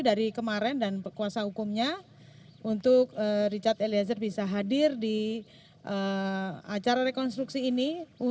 dari kemarin dan kuasa hukumnya untuk richard eliezer bisa hadir di acara rekonstruksi ini